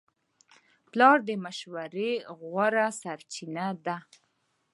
پلار د مشورې غوره سرچینه ده.